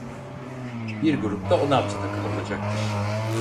Bir grupta on altı takım olacaktır.